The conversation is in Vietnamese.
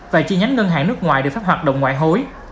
và chi nhánh ngân hàng nước ngoài được pháp hoạt động ngoại hối